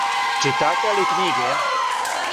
Читате ли књиге?